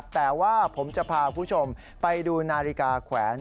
แต่ว่าผมจะพาคุณผู้ชมไปดูนาฬิกาแขวน